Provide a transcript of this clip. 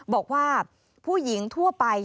บอกว่าผู้หญิงทั่วไป